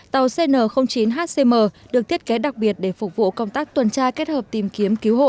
tàu cn chín hcm được thiết kế đặc biệt để phục vụ công tác tuần tra kết hợp tìm kiếm cứu hộ